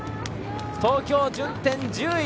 東京、順天１０位。